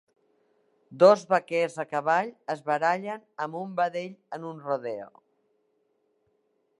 Dos vaquers a cavall es barallen amb un vedell en un rodeo.